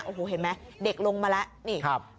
โอ้โหเห็นไหมเด็กลงมาละ